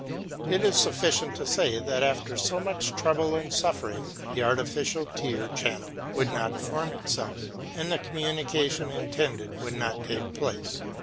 It is suflicient to say, that, after so much trouble and suffering, the artificial tear channel would not form itself, and the communication intended would not take place.